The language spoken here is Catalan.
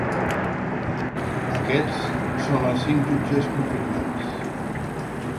Aquests són els cinc jutges confirmats.